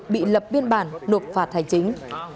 bị lập biên bản đột phạt hành chính